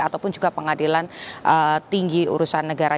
ataupun juga pengadilan tinggi urusan negara